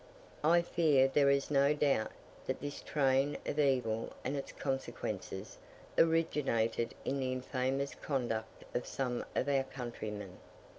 I fear there is no doubt, that this train of evil and its consequences, originated in the infamous conduct of some of our countrymen.